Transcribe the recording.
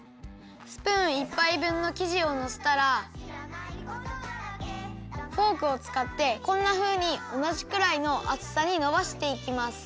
スプーン１ぱいぶんのきじをのせたらフォークをつかってこんなふうにおなじくらいのあつさにのばしていきます。